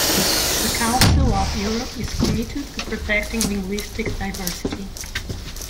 The Council of Europe is committed to protecting linguistic diversity.